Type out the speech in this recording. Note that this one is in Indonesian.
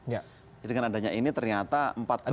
jadi dengan adanya ini ternyata empat kementerian